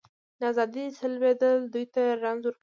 د ازادۍ سلبېدل دوی ته رنځ ورکوي.